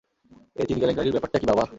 এই চিনি কেলেংকারির ব্যাপারটা কী বাবা?